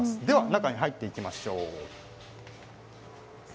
中に入っていきましょう。